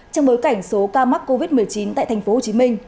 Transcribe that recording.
trong bối cảnh số ca mắc covid một mươi chín tại tp hcm